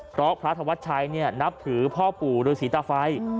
เพราะพระธวัชชัยนับถือพ่อปู่ฤษีตาไฟ